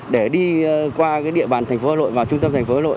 để đi qua địa bàn thành phố hà nội vào trung tâm thành phố hà nội